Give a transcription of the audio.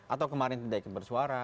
atau kemarin tidak ikut bersuara